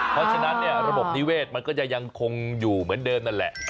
เพราะฉะนั้นระบบนิเวศมันก็จะยังคงอยู่เหมือนเดิมนั่นแหละ